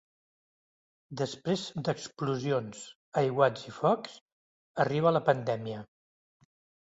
Després d’explosions, aiguats i focs, arriba la pandèmia.